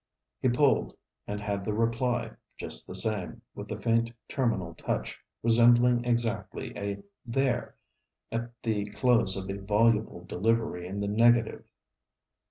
He pulled, and had the reply, just the same, with the faint terminal touch, resembling exactly a 'There!' at the close of a voluble delivery in the negative.